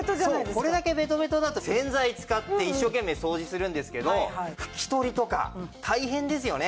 これだけベトベトだと洗剤使って一生懸命掃除するんですけど拭き取りとか大変ですよね。